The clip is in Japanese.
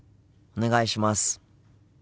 お願いします。